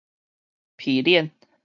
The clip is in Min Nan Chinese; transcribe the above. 皮臉